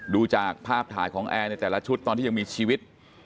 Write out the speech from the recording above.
ดูจากภาพถ่ายของแอร์ในแต่ละชุดตอนที่ยังมีชีวิต